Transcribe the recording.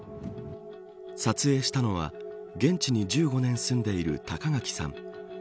撮影したのは現地に１５年住んでいる高垣さん。